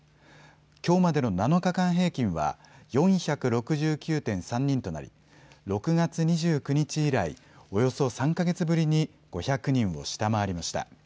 きょうまでの７日間平均は４６９．３人となり、６月２９日以来、およそ３か月ぶりに５００人を下回りました。